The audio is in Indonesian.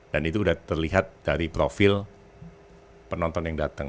dan itu sudah terlihat dari profil penonton yang datang